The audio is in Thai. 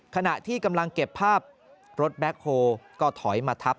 ขณะที่กำลังเก็บภาพรถแบ็คโฮก็ถอยมาทับ